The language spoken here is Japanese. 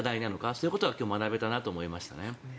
そういうことが今日、学べたと思いましたね。